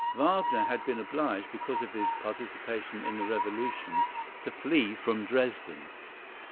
Wagner had been obliged, because of his participation in the revolution, to flee from Dresden.